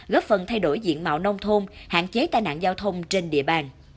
góp phần thay đổi diện mạo nông thôn hạn chế tai nạn giao thông trên địa bàn